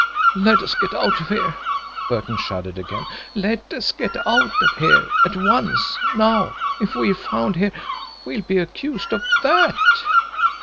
"Let us get out of here!" Burton shuddered again. "Let us get out of here at once now. If we're found here, we'll be accused of THAT!"